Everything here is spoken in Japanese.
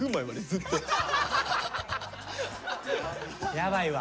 やばいわ。